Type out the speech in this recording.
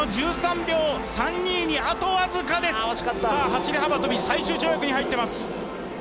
１３秒３２にあと僅かで走り幅跳び最終跳躍に入っています。